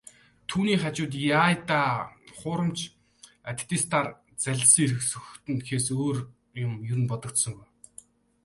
Түүний хажууд "яая даа, хуурамч аттестатаар залилсан хэрэг сөхөгдөнө" гэхээс өөр юм ер бодогдсонгүй.